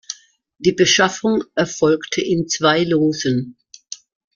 Die Beschaffung erfolgte in zwei Losen.